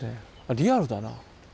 リアルだな。